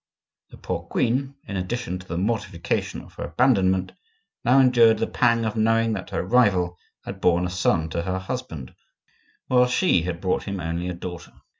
The poor queen, in addition to the mortification of her abandonment, now endured the pang of knowing that her rival had borne a son to her husband while she had brought him only a daughter.